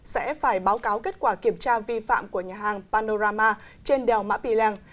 sẽ phải báo cáo kết quả kiểm tra vi phạm của nhà hàng panorama trên đèo mã pì lèng